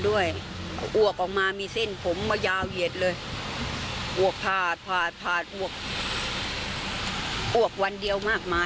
อวกวันเดียวมากมาย